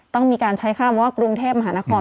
ต้องมีการใช้คำว่ากรุงเทพมหานคร